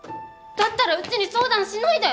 だったらうちに相談しないで。